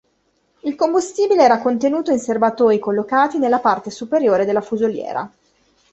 Il combustibile era contenuto in serbatoi collocati nella parte superiore della fusoliera.